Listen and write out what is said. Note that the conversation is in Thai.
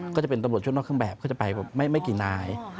ก็จะเป็นตำรวจช่วงนอกเครื่องแบบก็จะไปไม่กี่นาย